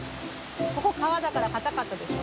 ここ、皮だから、硬かったでしょ。